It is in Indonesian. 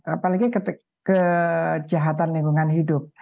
apalagi kejahatan lingkungan hidup